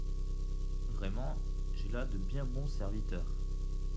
Vraiment, j’ai là de biens bons serviteurs !…